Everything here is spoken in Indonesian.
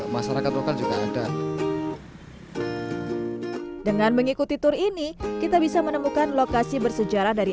masyarakat lokal juga ada dengan mengikuti tur ini kita bisa menemukan lokasi bersejarah dari